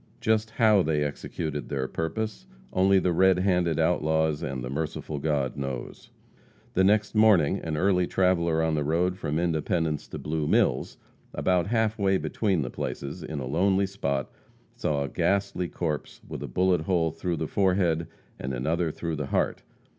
Just how they executed their purpose only the red handed outlaws and the merciful God knows. The next morning an early traveler on the road from Independence to Blue Mills, about half way between the places, in a lonely spot, saw a ghastly corpse with a bullet hole through the forehead and another through the heart.